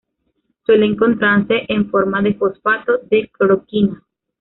Suele encontrarse en forma de fosfato de cloroquina.